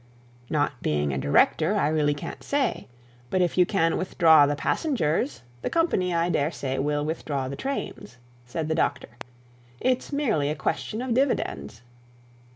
'Not being a director, I really can't say. But if you can withdraw the passengers, their company, I dare say, will withdraw the trains,' said the doctor. 'It's merely a question of dividends.'